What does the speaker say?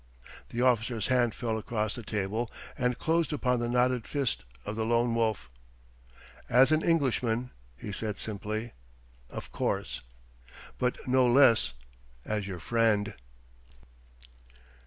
The officer's hand fell across the table and closed upon the knotted fist of the Lone Wolf. "As an Englishman," he said simply "of course. But no less as your friend."